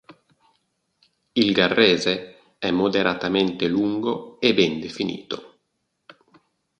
Il garrese è moderatamente lungo e ben definito.